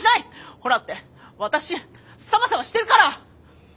ほらワタシサバサバしてるから！